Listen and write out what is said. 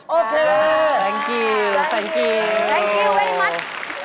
ขอบพระบุญนะครับ